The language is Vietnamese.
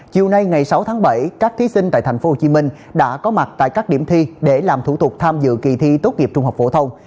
chiều nay ngày sáu tháng bảy các thí sinh tại tp hcm đã có mặt tại các điểm thi để làm thủ tục tham dự kỳ thi tốt nghiệp trung học phổ thông